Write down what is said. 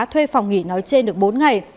thuê phòng nghỉ nói chê được bốn ngày